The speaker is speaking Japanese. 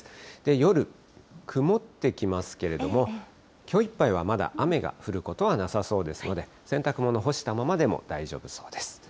夜、曇ってきますけれども、きょういっぱいはまだ雨が降ることはなさそうですので、洗濯物干したままでも大丈夫そうです。